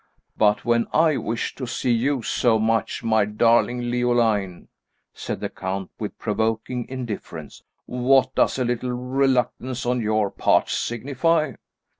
"But when I wish to see you so much, my darling Leoline," said the count, with provoking indifference, "what does a little reluctance on your part signify?